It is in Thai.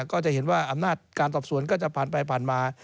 ก็จะเห็นว่าอำนาจการสอบสวนก็จะผ่านไปผ่านมา